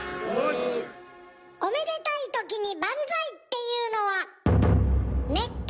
おめでたいときに「バンザイ」って言うのは熱血！